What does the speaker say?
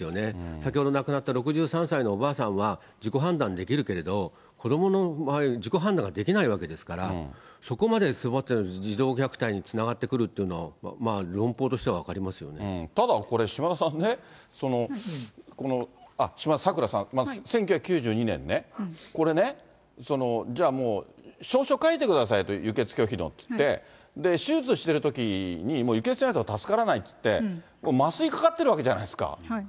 先ほど亡くなった６３歳のおばあさんは自己判断できるけれど、子どもの場合、自己判断ができないわけですから、そこまで児童虐待につながってくるというのは、ただ、これ島田さんね、あっ、島田さくらさん、１９９２年ね、これね、じゃあもう、証書書いてくださいと、輸血拒否のっていって、手術してるときに、輸血しないと助からないって言って、麻酔かかってるわけじゃないですか。